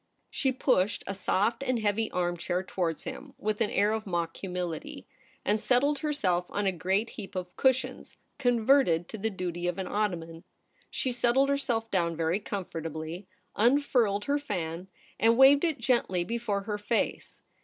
She pushed a soft and heavy armchair towards him with an air of mock humility, and settled herself on a great heap of cushions converted to the duty of an ottoman. She settled herself down very comfortably, un furled her fan, and waved it gently before her face.